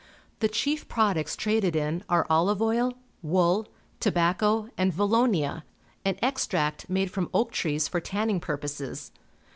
The chief products traded in are olive oil, wool, tobacco, and valonia — an extract made from oak trees for tanning purposes.